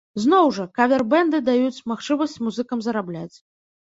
Зноў жа, кавер-бэнды даюць магчымасць музыкам зарабляць.